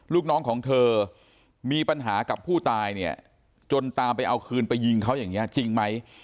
ลูกน้องของเธอมีปัญหากับผู้ตายเนี่ยจนตามไปเอาคืนไปยิงเขาอย่างนี้จริงไหม